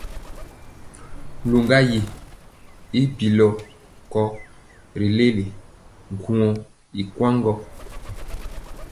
Luŋga yi i bilɔ ko ri leleli nkuŋɔ ikwaŋ gɔ.